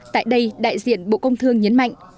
tại đây đại diện bộ công thương nhấn mạnh